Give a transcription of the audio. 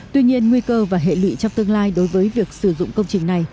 tuy nhiên nguy cơ và hệ lụy trong tương lai đối với việc sử dụng công trình này